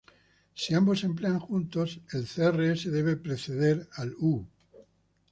Si ambos se emplean juntos, el 'crs' debe preceder al 'u'.